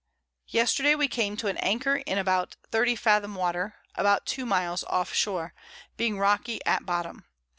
11._ Yesterday we came to an Anchor in about 30 Fathom Water, about 2 Miles off Shore, being rocky at bottom.